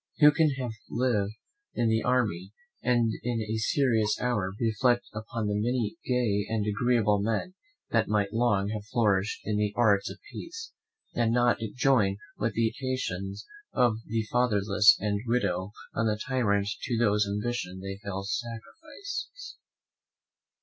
Who can have lived in an army, and in a serious hour reflect upon the many gay and agreeable men that might long have flourished in the arts of peace, and not join with the imprecations of the fatherless and widow on the tyrant to whose ambition they fell sacrifices?